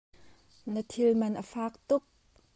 Na thil man a fak tuk.